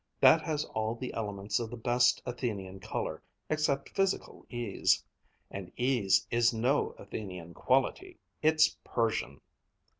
That has all the elements of the best Athenian color, except physical ease. And ease is no Athenian quality! It's Persian!